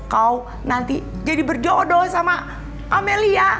kau nanti jadi berjodoh sama amelia